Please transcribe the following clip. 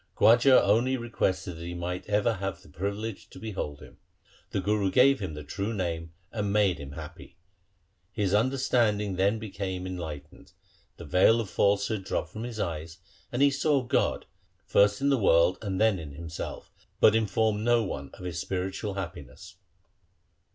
Khwaja only requested that he might ever have the privilege to behold him. The Guru gave him the true Name, and made him happy. His under standing then became enlightened, the veil of false hood dropped from his eyes, and he saw God, first in the world and then in himself, but informed no one of his spiritual happiness.